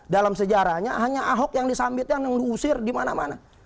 dalam sejarahnya hanya ahok yang disambitin yang diusir dimana mana